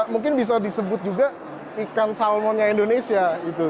mungkin bisa disebut juga ikan salmonnya indonesia